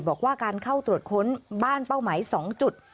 บอกว่าการเข้าตรวจค้นบ้านเป้าหมาย๒จุด